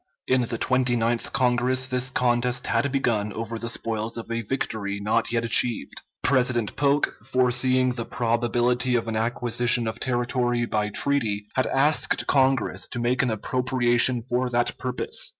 In the Twenty ninth Congress this contest had begun over the spoils of a victory not yet achieved. President Polk, foreseeing the probability of an acquisition of territory by treaty, had asked Congress to make an appropriation for that purpose.